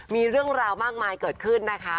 มีเรื่องราวมากมายเกิดขึ้นนะคะ